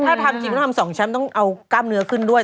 แต่มันต้องถ้าทำจริงมันต้องทำสองแชมป์ต้องเอากล้ามเนื้อขึ้นด้วย